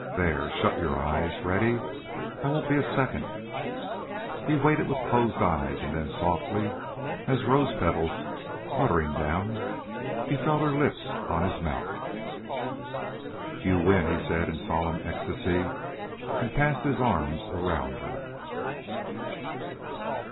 There. Shut your eyes. Ready? I won't be a second." He waited with closed eyes, and then, softly as rose petals fluttering down, he felt her lips on his mouth. "You win," he said in solemn ecstasy, and passed his arms around her.